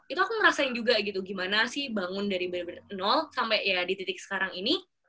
itu aku ngerasain juga gitu gimana sih bangun dari barber nol sampai ya di titik sekarang ini